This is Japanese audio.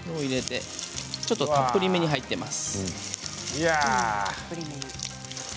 ちょっと、たっぷりめに入っています。